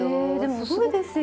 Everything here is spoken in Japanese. すごいですよね。